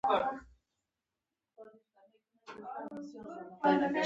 د بیان ازادي مهمه ده ځکه چې نوښت هڅوي.